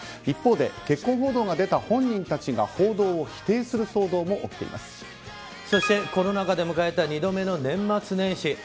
一方で結婚報道が出た本人たちが報道を否定する騒動もそして、コロナ禍で迎えた２度目の年末年始。